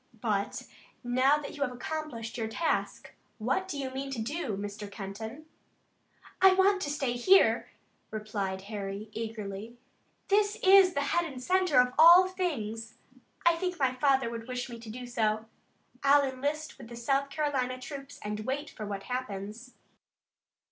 But now that you have accomplished your task, what do you mean to do, Mr. Kenton?" "I want to stay here," replied Harry eagerly. "This is the head and center of all things. I think my father would wish me to do so. I'll enlist with the South Carolina troops and wait for what happens."